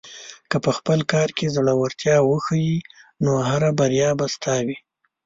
که په خپل کار کې زړۀ ورتیا وښیې، نو هره بریا به ستا وي.